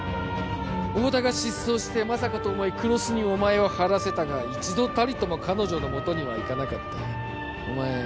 太田が失踪してまさかと思い黒須にお前を張らせたが一度たりとも彼女のもとには行かなかったお前